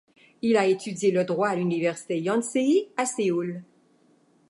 Il a étudié le droit à l'université Yonsei à Séoul.